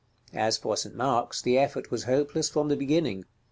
As for St. Mark's, the effort was hopeless from the beginning.